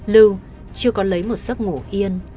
lưu chưa có lấy một giấc ngủ yên